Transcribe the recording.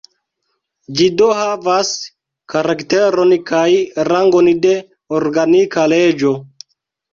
Ĝi do havas karakteron kaj rangon de "organika leĝo".